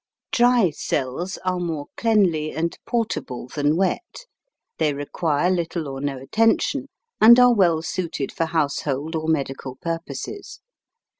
Dry cells are more cleanly and portable than wet, they require little or no attention, and are well suited for household or medical purposes.